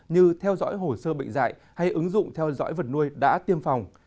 như theo dõi hồ sơ bệnh dạy hay ứng dụng theo dõi vật nuôi đã tiêm phòng